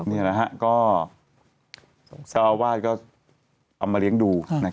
นี่แหละฮะก็เจ้าอาวาสก็เอามาเลี้ยงดู